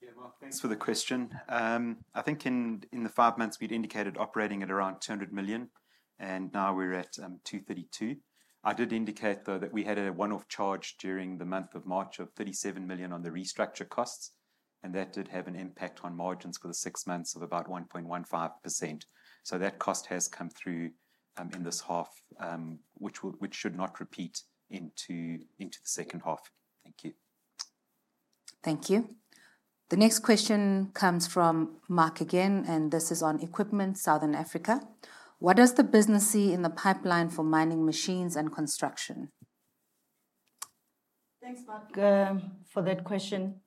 Yeah, Mark, thanks for the question. I think in the five months, we'd indicated operating at around 200 million, and now we're at 232. I did indicate, though, that we had a one-off charge during the month of March of 37 million on the restructure costs, and that did have an impact on margins for the six months of about 1.15%. So that cost has come through in this half, which should not repeat into the second half. Thank you. Thank you. The next question comes from Mark again, and this is on equipment, Southern Africa. What does the business see in the pipeline for mining machines and construction? Thanks, Mark, for that question.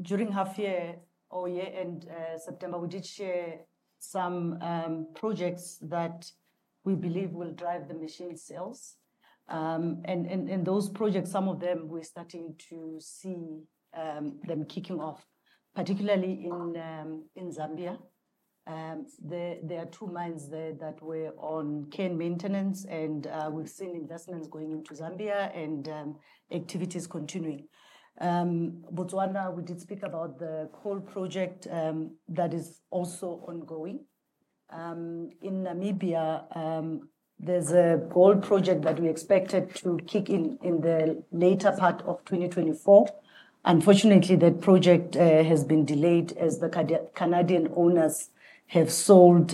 During half year or year end, September, we did share some projects that we believe will drive the machine sales. And those projects, some of them, we're starting to see them kicking off, particularly in Zambia. There are two mines there that were on care and maintenance, and we've seen investments going into Zambia and activities continuing. Botswana, we did speak about the coal project that is also ongoing. In Namibia, there's a gold project that we expected to kick in, in the later part of 2024. Unfortunately, that project has been delayed as the Canadian owners have sold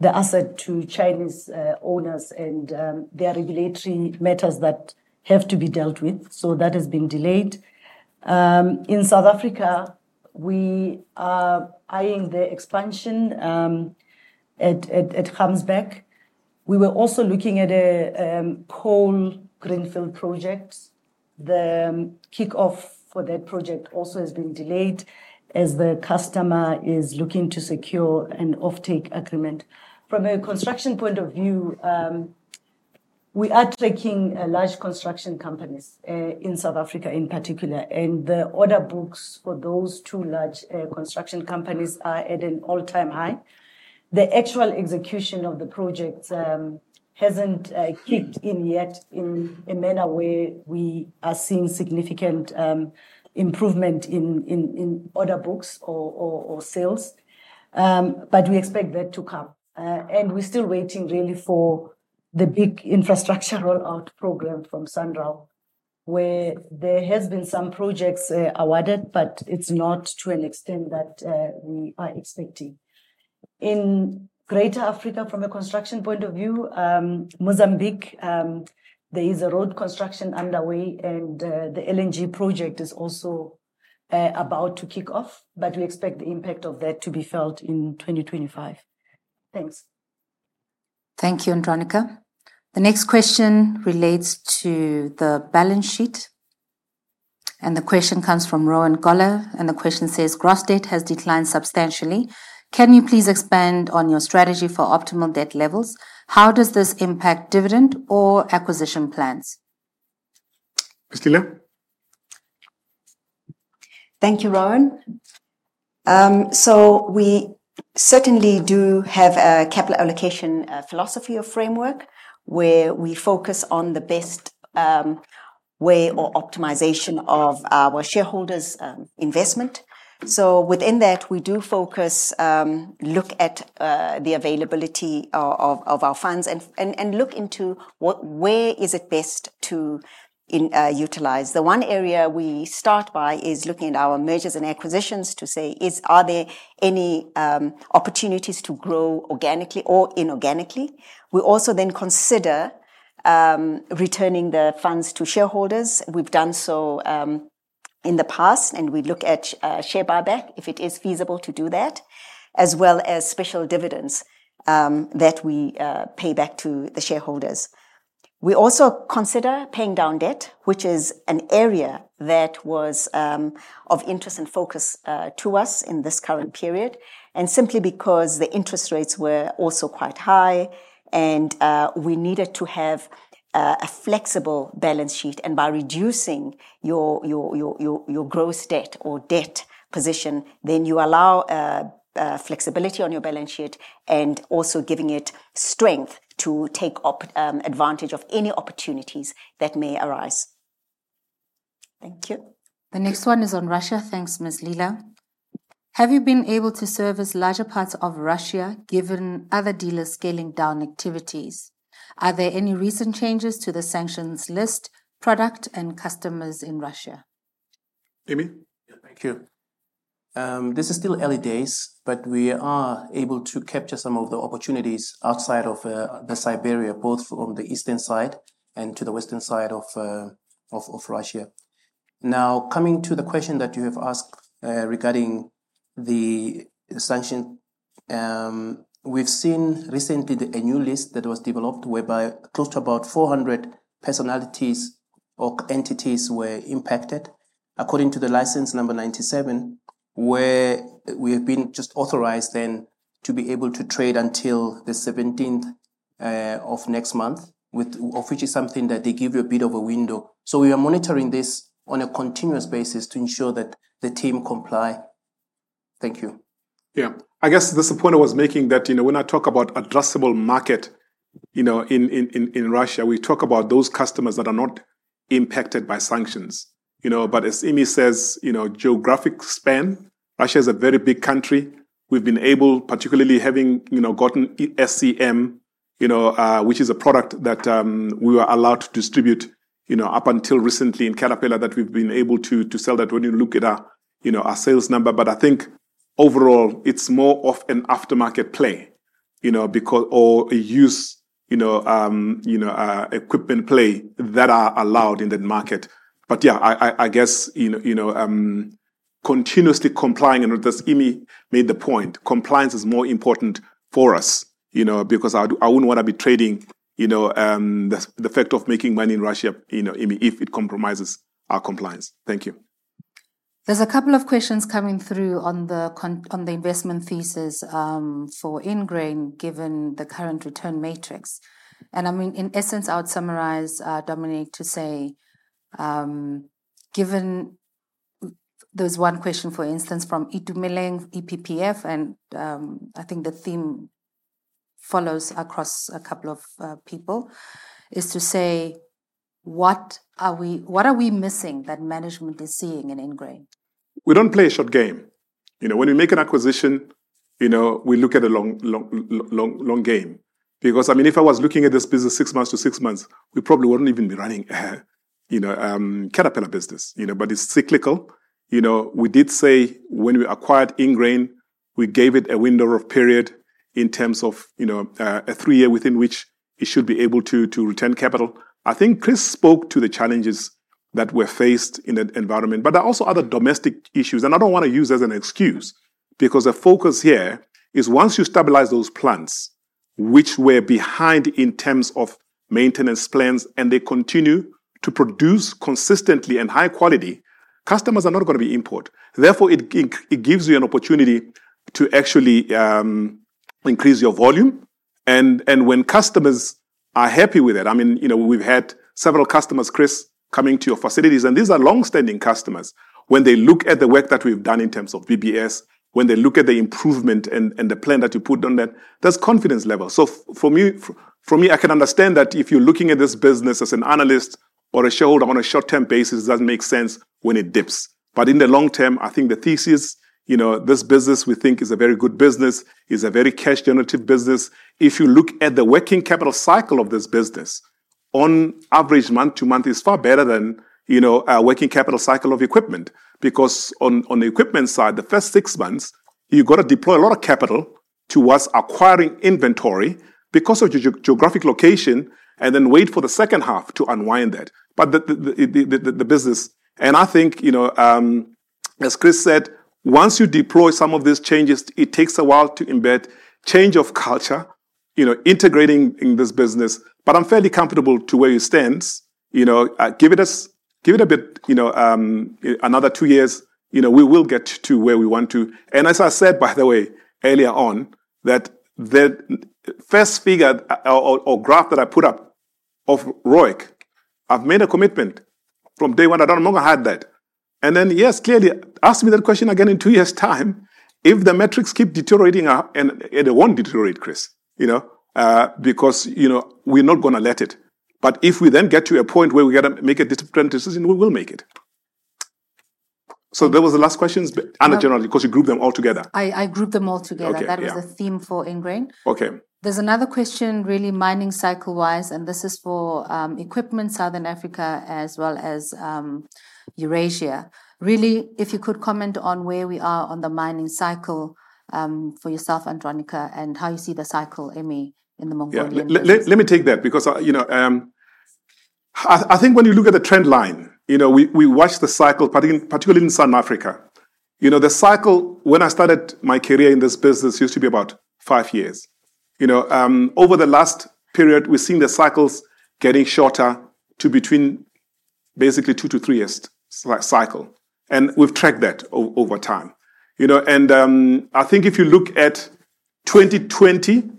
the asset to Chinese owners, and there are regulatory matters that have to be dealt with, so that has been delayed. In South Africa, we are eyeing the expansion at Gamsberg. We were also looking at a coal greenfield project. The kickoff for that project also has been delayed as the customer is looking to secure an offtake agreement. From a construction point of view, we are tracking large construction companies in South Africa in particular, and the order books for those two large construction companies are at an all-time high. The actual execution of the project hasn't kicked in yet in a manner where we are seeing significant improvement in order books or sales. But we expect that to come. And we're still waiting really for the big infrastructure rollout program from SANRAL, where there has been some projects awarded, but it's not to an extent that we are expecting. In greater Africa, from a construction point of view, Mozambique, there is a road construction underway, and the LNG project is also about to kick off, but we expect the impact of that to be felt in 2025. Thanks. Thank you, Andronicca. The next question relates to the balance sheet, and the question comes from Rowan Goeller, and the question says: "Gross debt has declined substantially. Can you please expand on your strategy for optimal debt levels? How does this impact dividend or acquisition plans? Miss Lila? Thank you, Rowan. So we certainly do have a capital allocation philosophy or framework, where we focus on the best way or optimization of our shareholders' investment. So within that, we do focus, look at the availability of our funds, and look into where is it best to utilize. The one area we start by is looking at our mergers and acquisitions to say, are there any opportunities to grow organically or inorganically? We also then consider returning the funds to shareholders. We've done so in the past, and we look at share buyback, if it is feasible to do that, as well as special dividends that we pay back to the shareholders. We also consider paying down debt, which is an area that was of interest and focus to us in this current period, and simply because the interest rates were also quite high and we needed to have a flexible balance sheet. By reducing your gross debt or debt position, then you allow flexibility on your balance sheet and also giving it strength to take advantage of any opportunities that may arise. Thank you. The next one is on Russia. Thanks, Ms. Lila. Have you been able to service larger parts of Russia, given other dealers scaling down activities? Are there any recent changes to the sanctions list, product, and customers in Russia? Imi? Yeah, thank you. This is still early days, but we are able to capture some of the opportunities outside of the Siberia, both from the eastern side and to the western side of Russia. Now, coming to the question that you have asked, regarding the sanction, we've seen recently a new list that was developed, whereby close to about 400 personalities or entities were impacted. According to the License Number 97, where we have been just authorized then to be able to trade until the seventeenth of next month, with which is something that they give you a bit of a window. So we are monitoring this on a continuous basis to ensure that the team comply. Thank you. Yeah. I guess this is the point I was making, that, you know, when I talk about addressable market, you know, in Russia, we talk about those customers that are not impacted by sanctions, you know? But as Emmy says, you know, geographic span, Russia is a very big country. We've been able, particularly having, you know, gotten SEM, you know, which is a product that, we were allowed to distribute, you know, up until recently in Caterpillar, that we've been able to, to sell that when you look at our, you know, our sales number. But I think overall it's more of an aftermarket play, you know, because or a use, you know, you know, equipment play that are allowed in that market. But yeah, I guess, you know, you know, continuously complying, and as Emmy made the point, compliance is more important for us, you know, because I wouldn't want to be trading, you know, the fact of making money in Russia, you know, Emmy, if it compromises our compliance. Thank you. There's a couple of questions coming through on the investment thesis for Ingrain, given the current return matrix. And, I mean, in essence, I would summarise, Dominic, to say, given there was one question, for instance, from Itumeleng EPPF, and, I think the theme follows across a couple of people, is to say, what are we, what are we missing that management is seeing in Ingrain? We don't play a short game. You know, when we make an acquisition, you know, we look at the long, long game. Because, I mean, if I was looking at this business six months to six months, we probably wouldn't even be running a, you know, Caterpillar business, you know, but it's cyclical. You know, we did say when we acquired Ingrain, we gave it a window of period in terms of, you know, a three-year, within which it should be able to, to return capital. I think Chris spoke to the challenges that were faced in that environment, but there are also other domestic issues. And I don't want to use as an excuse, because the focus here is once you stabilize those plants, which were behind in terms of maintenance plans, and they continue to produce consistently and high quality. Customers are not gonna be important. Therefore, it gives you an opportunity to actually increase your volume. And when customers are happy with it, I mean, you know, we've had several customers, Chris, coming to your facilities, and these are long-standing customers. When they look at the work that we've done in terms of BBS, when they look at the improvement and the plan that you put on that, that's confidence level. So for me, I can understand that if you're looking at this business as an analyst or a shareholder on a short-term basis, it doesn't make sense when it dips. But in the long term, I think the thesis, you know, this business, we think, is a very good business, is a very cash-generative business. If you look at the working capital cycle of this business, on average, month-to-month is far better than, you know, our working capital cycle of equipment. Because on the equipment side, the first six months, you've got to deploy a lot of capital towards acquiring inventory because of geographic location, and then wait for the second half to unwind that. But the business. And I think, you know, as Chris said, once you deploy some of these changes, it takes a while to embed change of culture, you know, integrating in this business. But I'm fairly comfortable to where it stands. You know, give it a bit, you know, another two years, you know, we will get to where we want to. As I said, by the way, earlier on, that the first figure or graph that I put up of ROIC, I've made a commitment from day one, I no longer had that. Then, yes, clearly, ask me that question again in two years' time. If the metrics keep deteriorating up, and it won't deteriorate, Chris, you know, because, you know, we're not gonna let it. But if we then get to a point where we gotta make a disciplined decision, we will make it. So that was the last questions? But and generally, because you grouped them all together. I grouped them all together. Okay, yeah. That was the theme for Ingrain. Okay. There's another question, really, mining cycle-wise, and this is for, Equipment Southern Africa as well as, Eurasia. Really, if you could comment on where we are on the mining cycle, for yourself, Andronicca, and how you see the cycle, Emmy, in the Mongolian case. Yeah. Let me take that because, you know, I think when you look at the trend line, you know, we watch the cycle, particularly in South Africa. You know, the cycle, when I started my career in this business, used to be about five years. You know, over the last period, we've seen the cycles getting shorter to between basically two to three years cycle, and we've tracked that over time. You know, and, I think if you look at 2020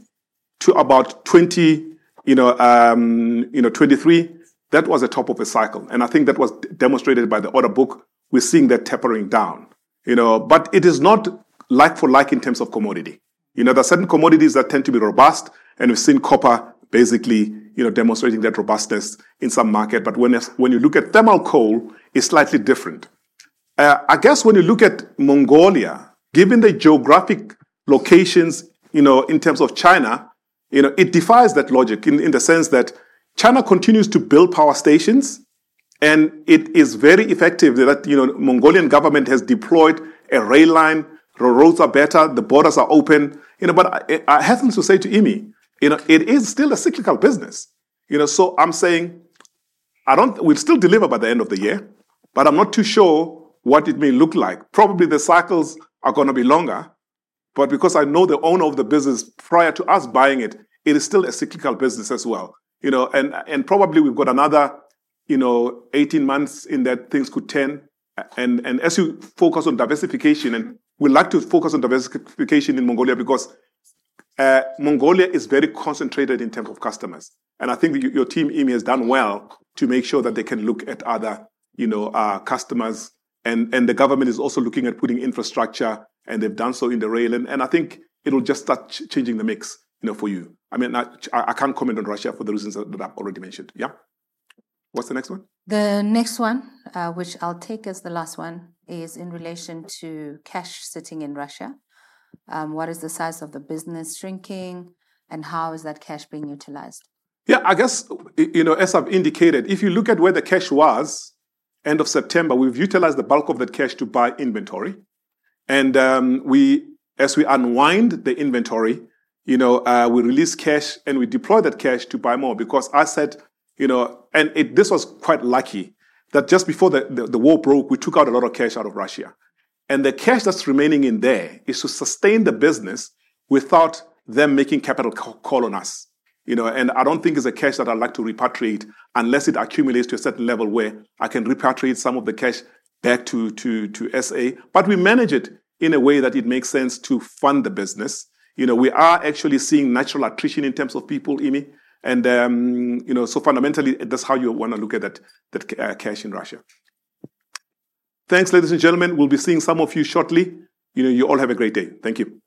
to about 2023, that was a top of a cycle, and I think that was demonstrated by the order book. We're seeing that tapering down, you know? But it is not like for like in terms of commodity. You know, there are certain commodities that tend to be robust, and we've seen copper basically, you know, demonstrating that robustness in some market. But when you look at thermal coal, it's slightly different. I guess when you look at Mongolia, given the geographic locations, you know, in terms of China, you know, it defies that logic in the sense that China continues to build power stations, and it is very effective that, you know, Mongolian government has deployed a rail line, the roads are better, the borders are open. You know, but I happen to say to Emmy, you know, it is still a cyclical business, you know? So I'm saying, I don't-we'll still deliver by the end of the year, but I'm not too sure what it may look like. Probably, the cycles are gonna be longer, but because I know the owner of the business prior to us buying it, it is still a cyclical business as well, you know? And probably we've got another, you know, 18 months in that things could turn. And as you focus on diversification, and we'd like to focus on diversification in Mongolia because Mongolia is very concentrated in terms of customers. And I think your team, Emmy, has done well to make sure that they can look at other, you know, customers. And the government is also looking at putting infrastructure, and they've done so in the rail, and I think it'll just start changing the mix, you know, for you. I mean, I can't comment on Russia for the reasons that I've already mentioned. Yeah. What's the next one? The next one, which I'll take as the last one, is in relation to cash sitting in Russia. What is the size of the business shrinking, and how is that cash being utilized? Yeah, I guess, you know, as I've indicated, if you look at where the cash was end of September, we've utilized the bulk of that cash to buy inventory. And as we unwind the inventory, you know, we release cash, and we deploy that cash to buy more because I said, you know. And this was quite lucky that just before the war broke, we took out a lot of cash out of Russia, and the cash that's remaining in there is to sustain the business without them making capital call on us. You know, and I don't think it's a cash that I'd like to repatriate unless it accumulates to a certain level where I can repatriate some of the cash back to SA. But we manage it in a way that it makes sense to fund the business. You know, we are actually seeing natural attrition in terms of people, Emmy, and, you know, so fundamentally, that's how you want to look at that, cash in Russia. Thanks, ladies and gentlemen. We'll be seeing some of you shortly. You know, you all have a great day. Thank you.